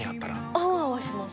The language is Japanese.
アワアワします